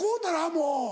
もう。